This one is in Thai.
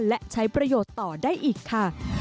และใช้ประโยชน์ต่อได้อีกค่ะ